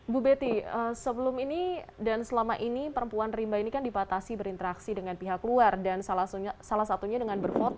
bu betty sebelum ini dan selama ini perempuan rimba ini kan dipatasi berinteraksi dengan pihak luar dan salah satunya dengan berfoto